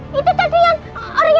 paketan itu buat ibu